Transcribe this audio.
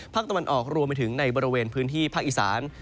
ภาคตะวันออกรวมไปถึงในบริเวณพื้นที่ภาคอีสาน